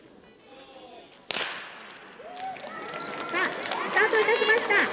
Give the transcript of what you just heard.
「さあスタートいたしました」。